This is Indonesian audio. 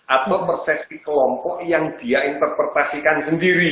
atau persepsi kelompok yang dia interpretasikan sendiri